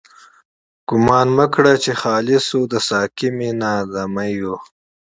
گومان مکړه چی خالی شوه، د ساقی مینا له میو